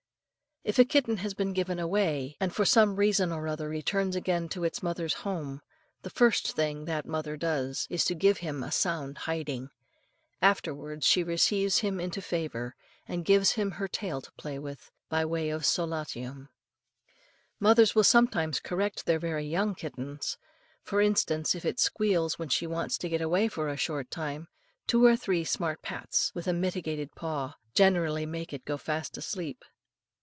If a kitten has been given away, and for some reason or other returns again to its mother's home, the first thing that mother does is to give him a sound hiding, afterwards she receives him into favour, and gives him her tail to play with by way of solatium. Mothers will sometimes correct their very young kittens; for instance, if it squeals when she wants to get away for a short time, two or three smart pats with a mittened paw generally make it go fast asleep.